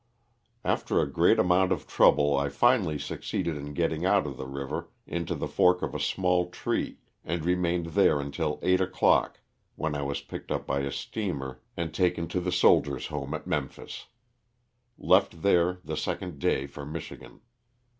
After a great amount of trouble I finally succeeded in getting out of the river into the fork of a small tree and remained there until eight o'clock, when I was picked up by a steamer and taken to the 1S8 l.OSS OF THE Sri TAXA. Soldiers' Homo at ^[omphis. Left there the second day for Michigan.